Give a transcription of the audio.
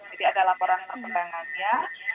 jadi ada laporan perkembangannya